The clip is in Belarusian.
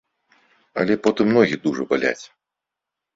Але потым ногі дужа баляць.